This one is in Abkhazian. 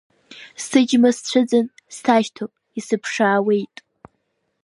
Сыџьма сцәыӡын сашьҭоуп, исыԥшаауеит.